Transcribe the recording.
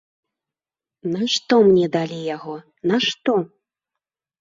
Нашто мне далі яго, нашто?